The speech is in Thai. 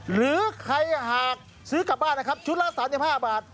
หรือใครหากซื้อกลับบ้านนะครับชุดละ๓๕บาท